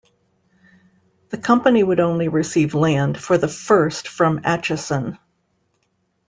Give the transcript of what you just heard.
The company would only receive land for the first from Atchison.